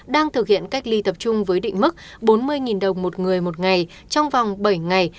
đang thực hiện cách ly tập trung với định mức bốn mươi đồng một người một ngày trong vòng bảy ngày